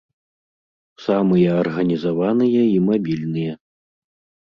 Самыя арганізаваныя і мабільныя.